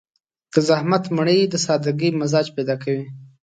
د زحمت مړۍ د سادهګي مزاج پيدا کوي.